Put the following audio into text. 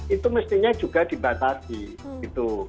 itu mestinya juga dibatasi gitu